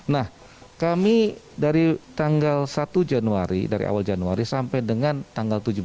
nah kami dari tanggal satu januari dari awal januari sampai dengan tanggal tujuh belas